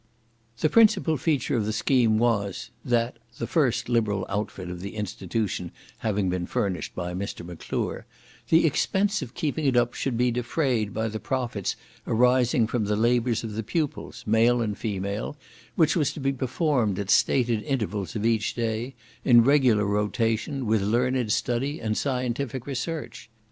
The principal feature of the scheme was, that (the first liberal outfit of the institution having been furnished by Mr. M'Clure,) the expense of keeping it up should be defrayed by the profits arising from the labours of the pupils, male and female, which was to be performed at stated intervals of each day, in regular rotation with learned study and scientific research.